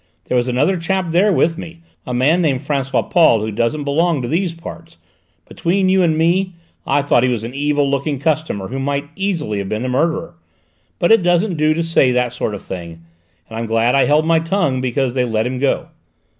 There was another chap there with me, a man named François Paul who doesn't belong to these parts; between you and me, I thought he was an evil looking customer who might easily have been the murderer, but it doesn't do to say that sort of thing, and I'm glad I held my tongue because they let him go.